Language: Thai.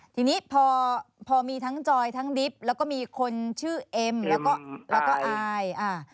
อ๋อทีนี้พอมีทั้งจอยทั้งดิบแล้วก็มีคนชื่อเอมแล้วก็อาย